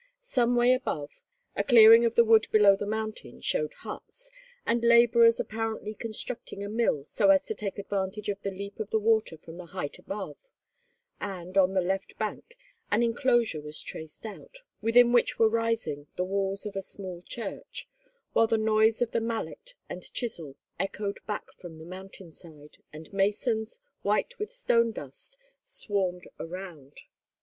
Some way above, a clearing of the wood below the mountain showed huts, and labourers apparently constructing a mill so as to take advantage of the leap of the water from the height above; and, on the left bank, an enclosure was traced out, within which were rising the walls of a small church, while the noise of the mallet and chisel echoed back from the mountain side, and masons, white with stone dust, swarmed around.